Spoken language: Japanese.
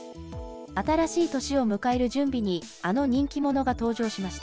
新しい年を迎える準備にあの人気者が登場しました。